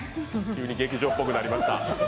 急に劇場っぽくなりました。